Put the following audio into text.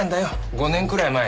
５年くらい前。